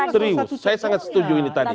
serius saya sangat setuju ini tadi